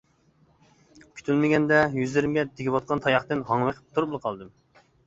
كۈتۈلمىگەندە، يۈزلىرىمگە تېگىۋاتقان تاياقتىن ھاڭۋېقىپ تۇرۇپلا قالدىم.